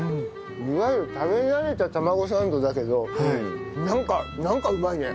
いわゆる食べ慣れた玉子サンドだけどなんかなんかうまいね！